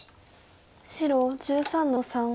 白１３の三。